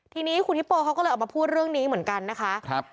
ทีนี้คุณฮิปโปเขาก็เลยออกมาพูดเรื่องนี้เหมือนกันนะคะ